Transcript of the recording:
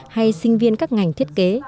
hay sinh viên các ngành thiết kế